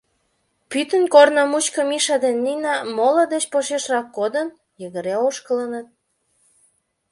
Пӱтынь корно мучко Миша ден Нина, моло деч почешырак кодын, йыгыре ошкылыныт.